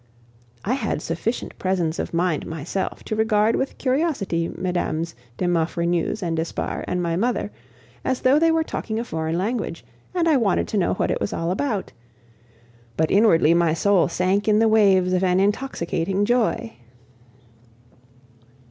I had sufficient presence of mind myself to regard with curiosity Mmes. de Maufrigneuse and d'Espard and my mother, as though they were talking a foreign language and I wanted to know what it was all about, but inwardly my soul sank in the waves of an intoxicating joy.